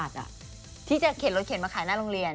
ที่จะเข็นรถเข็นมาขายหน้าโรงเรียน